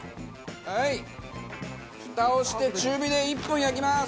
はいフタをして中火で１分焼きます。